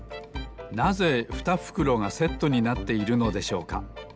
なぜ２ふくろがセットになっているのでしょうか？